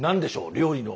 料理の。